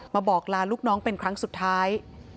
บอกลาลูกน้องเป็นครั้งสุดท้าย